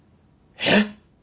えっ！